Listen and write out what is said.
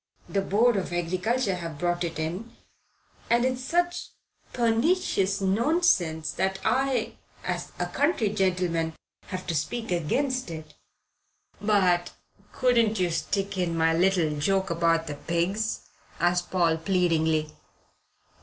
The Board of Agriculture have brought it in, and it's such pernicious nonsense that I, as a county gentleman, have to speak against it." "But couldn't you stick in my little joke about the pigs?" asked Paul pleadingly.